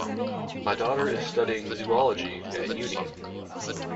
My daughter is studying zoology at uni